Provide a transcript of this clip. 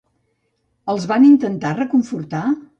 Els van intentar reconfortar?